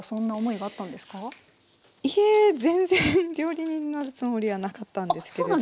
いえ全然料理人になるつもりはなかったんですけれども。